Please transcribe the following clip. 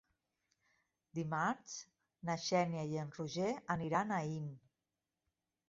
Dimarts na Xènia i en Roger aniran a Aín.